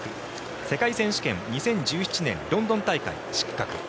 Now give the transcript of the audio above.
世界選手権２０１７年ロンドン大会、失格。